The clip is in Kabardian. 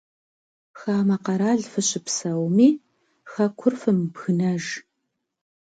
Хамэ къэрал фыщыпсэуми, хэкур фымыбгынэж.